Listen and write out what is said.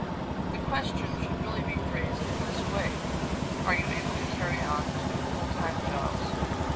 The question should really be phrased in this way: Are you able to carry on two full time jobs?